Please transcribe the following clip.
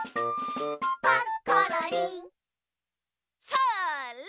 それ！